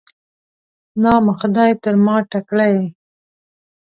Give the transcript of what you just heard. نام خدای، تر ما تکړه یې.